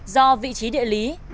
do vị trí địa lý